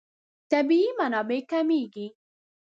طبیعي منابع کمېږي.